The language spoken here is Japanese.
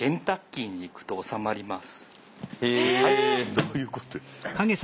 どういうこと？